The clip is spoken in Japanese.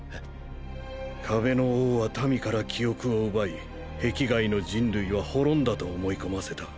壁の王は民から記憶を奪い壁外の人類は滅んだと思い込ませた。